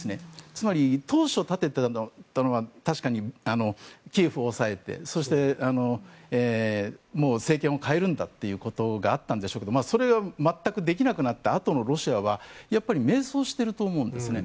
つまり、当初立てていたのは確かにキーウを押さえてそして政権を変えるんだということがあったんでしょうがそれは全くできなくなったあとのロシアは迷走していると思うんですね。